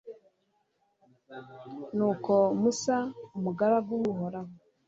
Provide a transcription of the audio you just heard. nuko musa, umugaragu w'uhoraho